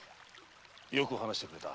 よく話してくれた。